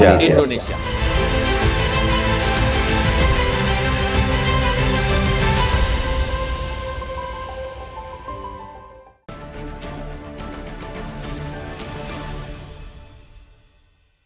pembangunan dan kemampuan jakarta